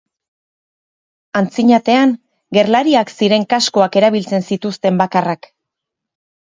Antzinatean, gerlariak ziren kaskoak erabiltzen zituzten bakarrak.